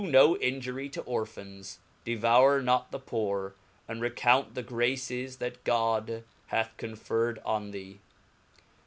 no injury to Orphans, devoure not thepoore, and recount the graces that God hath conferred on thee.